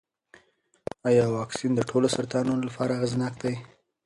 ایا واکسین د ټولو سرطانونو لپاره اغېزناک دی؟